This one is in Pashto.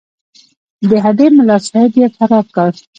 د هډې ملاصاحب یې فرار کړ.